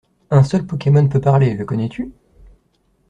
Un seul pokemon peut parler, le connais-tu?